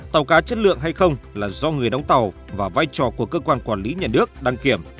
tàu cá chất lượng hay không là do người đóng tàu và vai trò của cơ quan quản lý nhà nước đăng kiểm